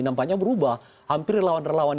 nampaknya berubah hampir relawan relawan